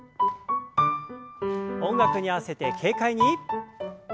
音楽に合わせて軽快に。